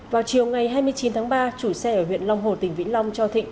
vào chiều ngày hai mươi chín tháng ba chủ xe ở huyện long hồ tỉnh vĩnh long cho thịnh